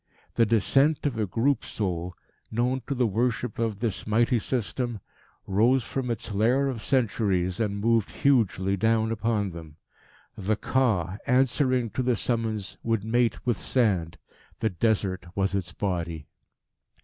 The descent of a group soul, known to the worship of this mighty system, rose from its lair of centuries and moved hugely down upon them. The Ka, answering to the summons, would mate with sand. The Desert was its Body.